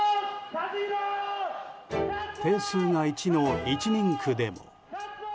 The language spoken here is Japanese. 定数が１の１人区でも。